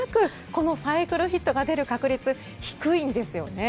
このサイクルヒットが出る確率低いんですよね。